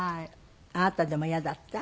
あなたでも嫌だった？